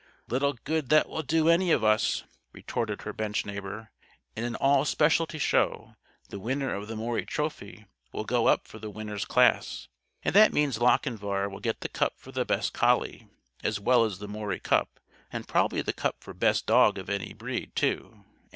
"Little good that will do any of us!" retorted her bench neighbor. "In an all specialty show, the winner of the Maury Trophy will go up for the 'Winners Class,' and that means Lochinvar will get the cup for the 'Best Collie,' as well as the Maury Cup and probably the cup for 'Best Dog of any Breed,' too.